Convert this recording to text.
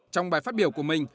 trong bài phát biểu của mình